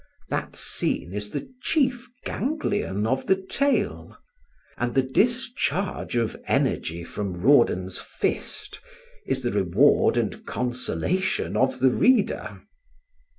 That scene is the chief ganglion of the tale; and the discharge of energy from Rawdon's fist is the reward and consolation of the reader.